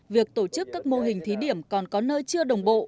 việc tổ chức các mô hình thí điểm còn có nơi chưa đồng bộ